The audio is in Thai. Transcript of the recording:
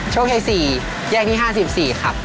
โชคเฮศีแยกที่๕๔ครับ